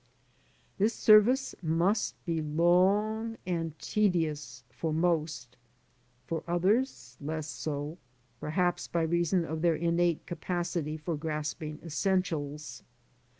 This service must be long and tedious for most; for others, less so, perhaps by reason of their innate capacity for grasping essentials.